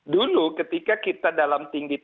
dulu ketika kita dalam tinggi